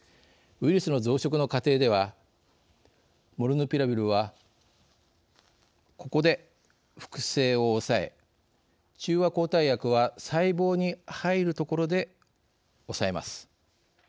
ウイルスの増殖の過程ではモルヌピラビルはここで複製を抑え中和抗体薬は細胞に入るところで抑えます。